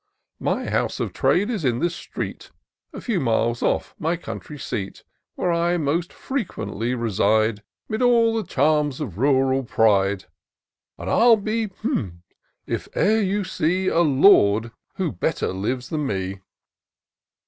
My house of trade is in this street ; A few miles off my country seat. Where I most frequently reside, 'Mid all the charms of rural pride ; G G 226 TOUR OP DOCTOR SYNTAX And I'll be if e'er you see A lord who better lives than me."